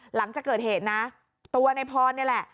หลังจากเกิดเหตุนะตัวในพรนี่แหละ